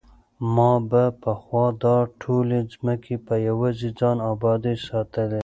ما به پخوا دا ټولې ځمکې په یوازې ځان ابادې ساتلې.